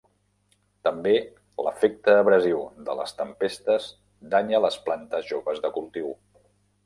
També l'efecte abrasiu de les tempestes danya les plantes joves de cultiu.